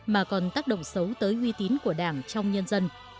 mà còn tác động xấu tới uy tín của đảng trong nhân dân